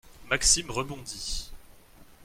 Maxime rebondit.